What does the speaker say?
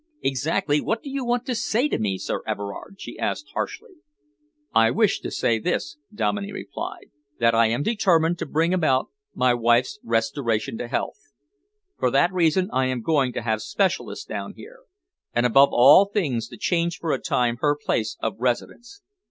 "Exactly what do you want to say to me, Sir Everard?" she asked harshly. "I wish to say this," Dominey replied, "that I am determined to bring about my wife's restoration to health. For that reason I am going to have specialists down here, and above all things to change for a time her place of residence.